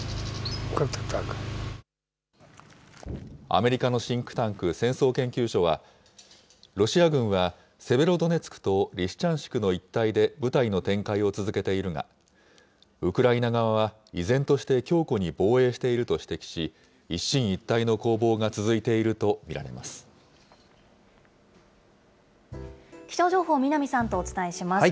アメリカのシンクタンク、戦争研究所は、ロシア軍はセベロドネツクとリシチャンシクの一帯で部隊の展開を続けているが、ウクライナ側は依然として強固に防衛していると指摘し、一進一退気象情報、南さんとお伝えします。